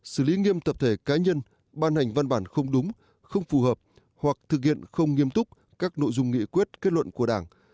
xử lý nghiêm tập thể cá nhân ban hành văn bản không đúng không phù hợp hoặc thực hiện không nghiêm túc các nội dung nghị quyết kết luận của đảng